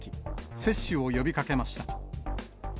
接種を呼びかけました。